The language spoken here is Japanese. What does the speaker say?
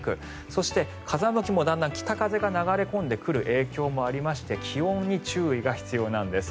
そして風向きもだんだん北風が流れ込んでくる影響もありまして気温に注意が必要なんです。